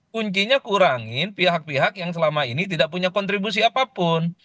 kuncinya kurangin pihak pihak yang selama ini tidak punya kontribusi apapun